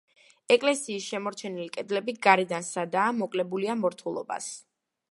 ეკლესიის შემორჩენილი კედლები გარედან სადაა, მოკლებულია მორთულობას.